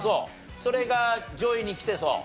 それが上位にきてそう？